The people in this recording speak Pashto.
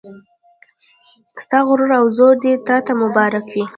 ستا غرور او زور دې تا ته مبارک وي